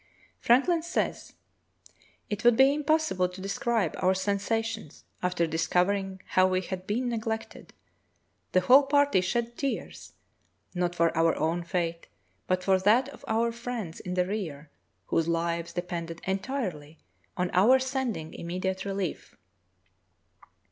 Franklin says: "It would be impossible to describe our sensations after discovering how we had been neg lected. The whole party shed tears, not for our own fate, but for that of our friends in the rear, whose lives depended entirely on our sending immediate rehef.